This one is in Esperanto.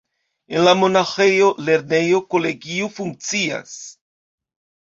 En la monaĥejo lernejo-kolegio funkcias.